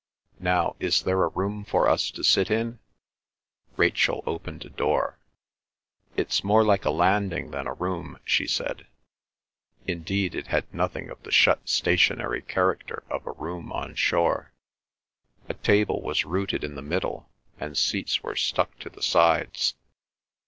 "Now, is there a room for us to sit in?" Rachel opened a door. "It's more like a landing than a room," she said. Indeed it had nothing of the shut stationary character of a room on shore. A table was rooted in the middle, and seats were stuck to the sides.